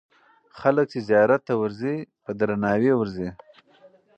خلک چې زیارت ته ورځي، په درناوي ورځي.